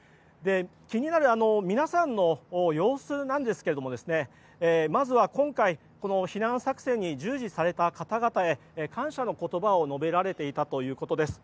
気になる皆さんの様子ですがまずは今回、避難作戦に従事された方々へ感謝の言葉を述べられていたということです。